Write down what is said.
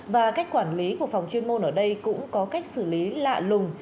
và cách quản lý của phòng chuyên môn ở đây cũng có cách xử lý lạ lùng